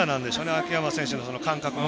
秋山選手、感覚が。